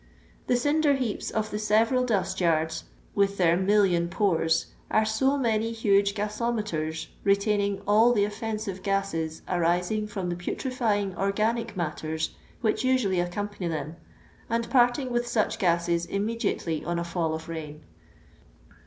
The cinder heaps of the several dust yards, with their million porea, are so many huge gasometers retaining all the offensive gases arising from the putrefying organic matters which usually accompany them, and parting with such gases imme diately on a fall of rain.